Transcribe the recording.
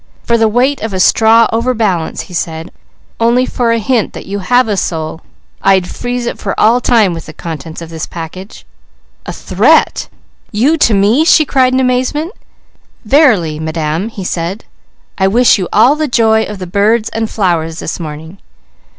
"For the weight of a straw overbalance," he said, "only for a hint that you have a soul, I'd freeze it for all time with the contents of this package." "A threat? You to me?" she cried in amazement. "Verily, Madam," he said. "I wish you all the joy of the birds and flowers this morning."